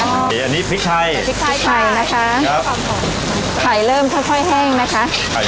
อันนี้ปิ๊กไทยไฟนะคะไข่เริ่มทัวร์ให้แรงนะคะ